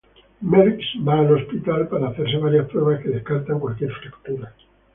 Merckx marcha en el hospital para hacerse varias pruebas que descartan cualquier fractura.